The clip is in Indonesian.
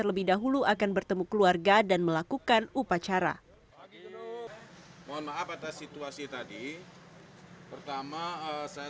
lebih dahulu akan bertemu keluarga dan melakukan upacara mohon maaf atas situasi tadi pertama saya